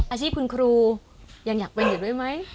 อาชีพคุณครูยังอยากเป็นอยู่ด้วยไหม